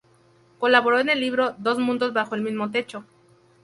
Colaboró en el libro" Dos mundos bajo el mismo techo.